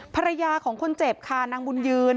ภรรยาของคนเจ็บค่ะนางบุญยืน